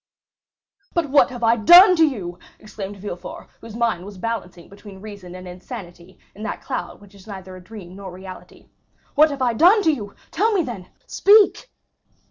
"But what have I done to you?" exclaimed Villefort, whose mind was balancing between reason and insanity, in that cloud which is neither a dream nor reality; "what have I done to you? Tell me, then! Speak!"